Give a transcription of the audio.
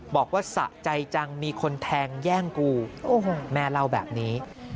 บอกว่าสะใจจังมีคนแทงแย่งกูแม่เล่าแบบนี้